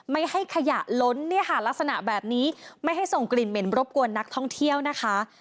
ไม่ให้ขยะล้นเนี่ยค่ะลักษณะแบบนี้ไม่ให้ส่งกลิ่นเหม็นรบกวนนักท่องเที่ยวนะคะ